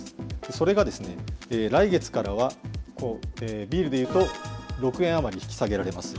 それが、来月からはビールでいうと６円余り引き下げられます。